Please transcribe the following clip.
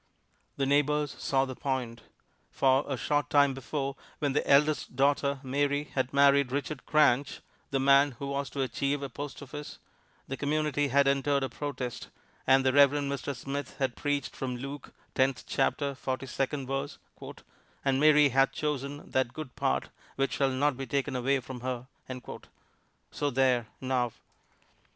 The neighbors saw the point, for a short time before, when the eldest daughter, Mary, had married Richard Cranch (the man who was to achieve a post office), the community had entered a protest, and the Reverend Mr. Smith had preached from Luke, tenth chapter, forty second verse: "And Mary hath chosen that good part which shall not be taken away from her." So there, now!